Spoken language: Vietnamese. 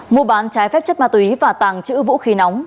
mùa bán trái phép chất ma túy và tàng chữ vũ khí nóng